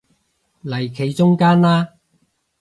嚟企中間啦